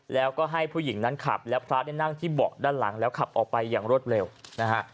แล้วก็ให้ผู้หญิงนั้นขับและพระได้นั่งที่เบาะด้านหลังแล้วขับออกไปอย่างรวดเร็วนะฮะ